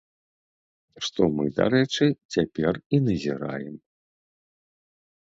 Што мы, дарэчы, цяпер і назіраем.